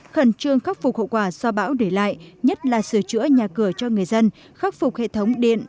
khẩn trương khắc phục hậu quả do bão để lại nhất là sửa chữa nhà cửa cho người dân khắc phục hệ thống điện